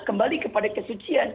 kembali kepada kesucian